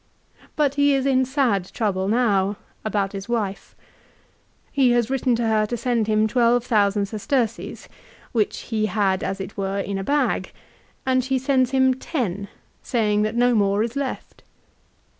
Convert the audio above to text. But he is in sad trouble now about his wife. He has written to her to send him twelve thousand sesterces, which he had as it were in a bag, and she sends him ten, saying that no more is left.